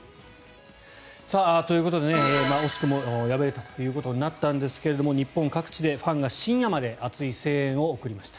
ということで惜しくも敗れたということになったんですが日本各地で、ファンが深夜まで熱い声援を送りました。